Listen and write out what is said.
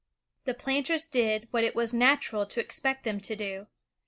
The planters did what it was natural to expect them to do.